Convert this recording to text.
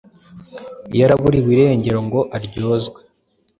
yaraburiwe irengero ngo aryozwe